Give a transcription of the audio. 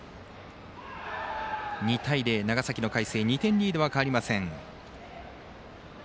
２対０長崎の海星、２点リードはかわりません。